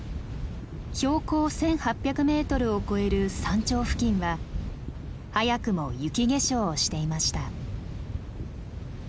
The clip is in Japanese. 標高１，８００メートルを超える山頂付近は早くも雪化粧をしていました。